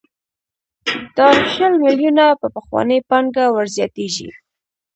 دا شل میلیونه په پخوانۍ پانګه ورزیاتېږي